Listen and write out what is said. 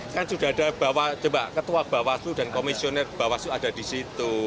kan sudah ada ketua bawaslu dan komisioner bawaslu ada di situ